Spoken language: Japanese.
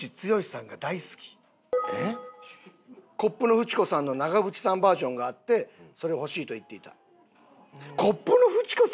「コップのフチ子さんの長渕さんバージョンがあってそれを欲しいと言っていた」。